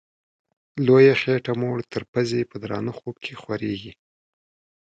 لویه خېټه موړ تر پزي په درانه خوب کي خوریږي